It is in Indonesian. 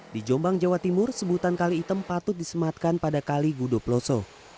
di jombang jawa timur sebutan kali hitam patut disematkan pada kali gude pelosok